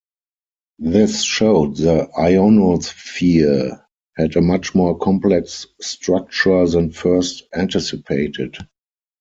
This showed the ionosphere had a much more complex structure than first anticipated.